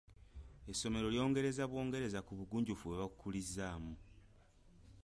Essomero lyongereza bwongereza ku bugunjufu bwe baakukulizaamu.